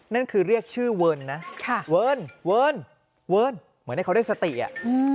นั่นคือเรียกชื่อเวิร์นนะค่ะเวิร์นเวิร์นเวิร์นเหมือนให้เขาได้สติอ่ะอืม